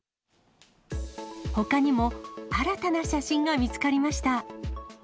ほかにも、新たな写真が見つかりました。